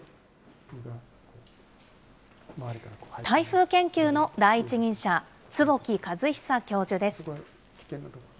台風研究の第一人者、坪木和久教授です。